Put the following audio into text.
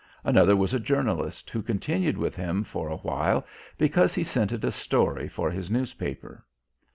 Another was a journalist, who continued with him for a while because he scented a story for his newspaper.